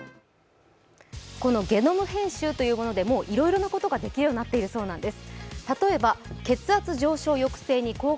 このゲノム編集でもういろいろなことができるようになっているということなんです。